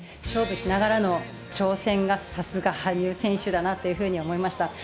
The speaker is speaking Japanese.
勝負しながらの挑戦が、さすが羽生選手だなと思いました。